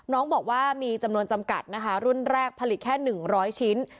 น้องบอกว่ามีจำนวนจำกัดนะคะรุ่นแรกผลิตแค่๑๐๐ชิ้น